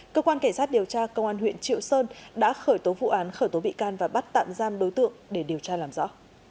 cơ quan cảnh sát điều tra công an huyện triệu sơn đã khởi tố vụ án khởi tố bị can và bắt tạm giam đối tượng để điều tra làm rõ